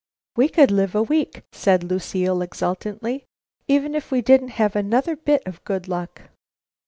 "We could live a week," said Lucile exultantly, "even if we didn't have another bit of good luck."